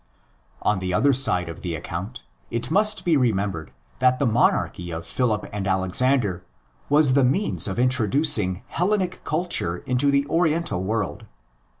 On the other side of the account, it must be remembered that the monarchy of Philip and Alexander was the means of introducing Hellenic culture into the Oriental world.